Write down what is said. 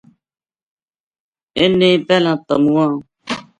انھ نے پہلاں تمواں